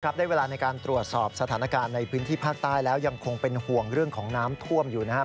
ได้เวลาในการตรวจสอบสถานการณ์ในพื้นที่ภาคใต้แล้วยังคงเป็นห่วงเรื่องของน้ำท่วมอยู่นะครับ